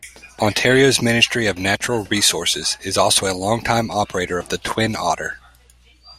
Ontario's Ministry of Natural Resources is also a long-time operator of the Twin Otter.